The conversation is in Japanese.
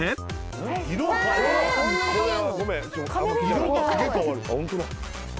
色がすげえ変わる。